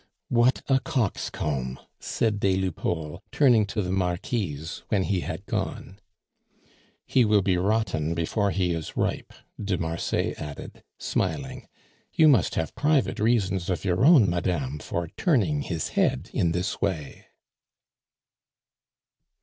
"What a coxcomb!" said des Lupeaulx, turning to the Marquise when he had gone. "He will be rotten before he is ripe," de Marsay added, smiling. "You must have private reasons of your own, madame, for turning his head in this way."